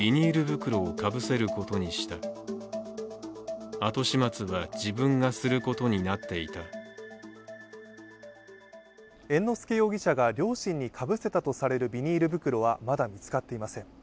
更に猿之助容疑者が両親にかぶせたとされるビニール袋はまだ見つかっていません。